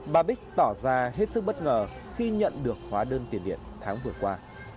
bà bích tỏ ra hết sức bất ngờ khi nhận được hóa đơn tiền điện tháng vừa qua